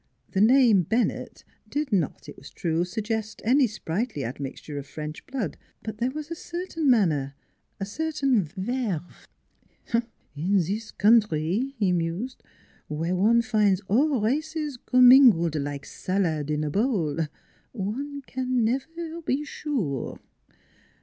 The name Bennett did not, it was true, suggest any sprightly admixture of French blood; but there was a certain manner, a certain verve " In this country," he mused, " where one finds all races commingled like salad in a bowl one can never be sure."